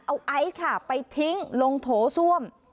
เอาไอซ์ค่ะไปทิ้งลงโถส้วม